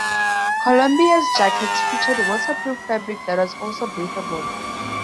Columbia's jackets featured waterproof fabric that was also breathable.